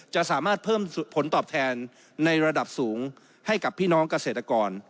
จะสามารถเพิ่มผลตอบแทนในระดับสูงให้กับพี่น้องเกษตรกร